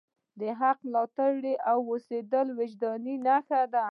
د حق ملاتړی اوسیدل د وجدان نښه ده.